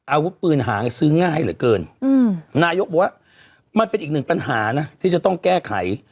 อาวุธปืนหางซื้อง่ายเหลือเกินอืมนายกบอกว่ามันเป็นอีกหนึ่งปัญหานะที่จะต้องแก้ไข